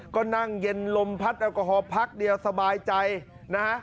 ก็นั่งเย็นลมพัดแอลกอฮอลพักเดียวสบายใจนะฮะ